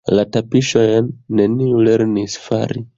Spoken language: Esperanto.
La tapiŝojn neniu lernis fari.